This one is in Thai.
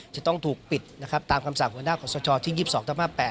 จะต้องถูกปิดตามคำสั่งของหัวหน้าของสชที่๒๒ทาง๕๘